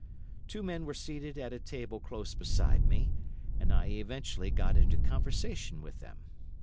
Two men were seated at a table close beside me, and I eventually got into conversation with them.